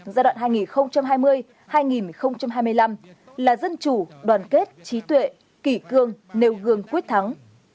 giai đoạn hai nghìn hai mươi hai nghìn hai mươi năm là dân chủ đoàn kết trí tuệ kỷ cương nêu gương quyết thắng